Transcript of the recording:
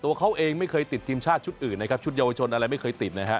ตัวเขาเองไม่เคยติดทีมชาติชุดอื่นนะครับชุดเยาวชนอะไรไม่เคยติดนะฮะ